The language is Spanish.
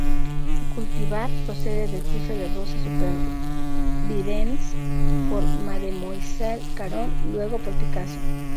El cultivar procede del cruce de "Rosa sempervirens" x 'Mademoiselle Caron', luego x 'Picasso'.